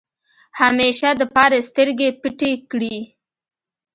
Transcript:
همېشه دپاره سترګې پټې کړې ۔